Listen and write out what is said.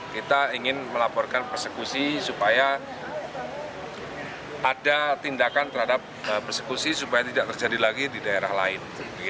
kita ingin melaporkan persekusi supaya ada tindakan terhadap persekusi supaya tidak terjadi lagi di daerah lain